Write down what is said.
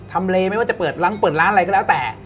ทำเลไม่ว่าจะเปิดร้านอะไรก็แล้วแต่